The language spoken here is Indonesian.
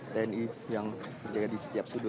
tni yang berjaga di setiap sudut